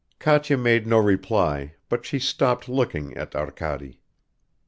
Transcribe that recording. ." Katya made no reply, but she stopped looking at Arkady.